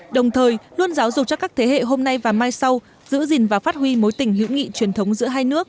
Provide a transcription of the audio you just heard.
đồng thời luôn giáo dục cho các thế hệ hôm nay và mai sau giữ gìn và phát huy mối tình hữu nghị truyền thống giữa hai nước